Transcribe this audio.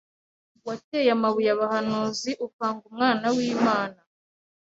watcye amabuye abahanuzi ukanga Umwana w'Imana,